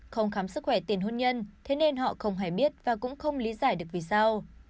không khám sức khỏe tiền hôn nhân thế nên họ không hề biết và cũng không lý giải được vì sao